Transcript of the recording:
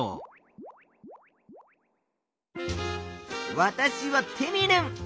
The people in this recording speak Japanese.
わたしはテミルン。